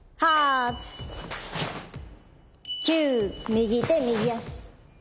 ９右手右足。